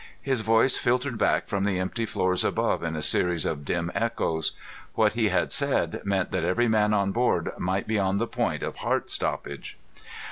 His voice filtered back from the empty floors above in a series of dim echoes. What he had said meant that every man on board might be on the point of heart stoppage.